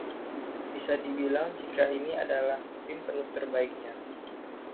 Bisa dibilang jika ini adalah musim penuh terbaiknya.